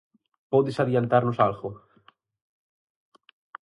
Podes adiantarnos algo?